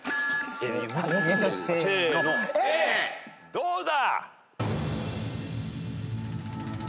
どうだ！？